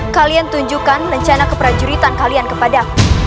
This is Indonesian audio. kalian tunjukkan rencana keprajuritan kalian kepada